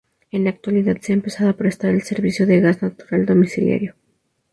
En la actualidad se ha empezado a prestar el servicio de gas natural domiciliario.